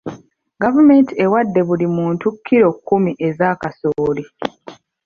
Gavumenti ewadde buli muntu kilo kkumi eza kasooli.